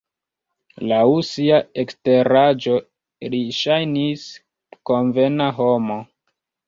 Laŭ sia eksteraĵo li ŝajnis konvena homo.